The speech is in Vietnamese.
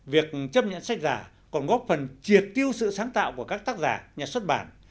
việc chấp nhận sách giả còn góp phần triệt tiêu sự sáng tạo của các tác giả nhà xuất bản